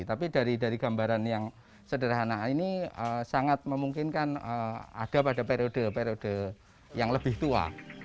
tapi dari gambaran yang sederhana ini sangat memungkinkan ada pada periode periode yang lebih tua